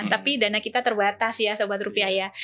tapi dana kita terbatas ya sobat rupiah ya